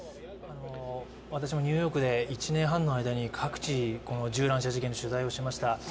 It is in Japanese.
私もニューヨークで１年半の間に各地、銃乱射事件の取材をしました。